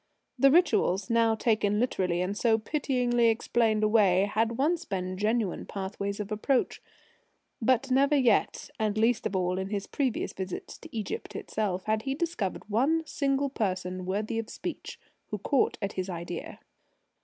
The rituals, now taken literally, and so pityingly explained away, had once been genuine pathways of approach. But never yet, and least of all in his previous visits to Egypt itself, had he discovered one single person, worthy of speech, who caught at his idea.